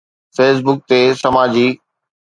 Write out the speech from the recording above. Facebook تي سماجي